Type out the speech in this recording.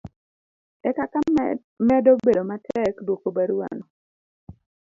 ekaka medo bedo matek dwoko barua no